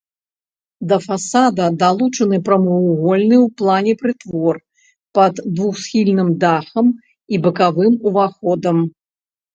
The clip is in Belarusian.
Да фасада далучаны прамавугольны ў плане прытвор пад двухсхільным дахам і бакавым уваходам.